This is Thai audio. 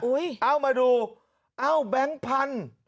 เอามาดูเอ้าแบงค์พันธุ์